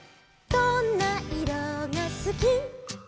「どんないろがすき」「」